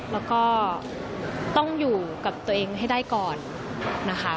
แล้วก็ต้องอยู่กับตัวเองให้ได้ก่อนนะคะ